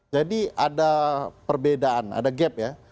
jadi ada perbedaan ada gap ya